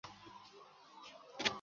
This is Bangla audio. সে এন্টিডিপ্রেসেন্টসের বড়ি নিত কেন?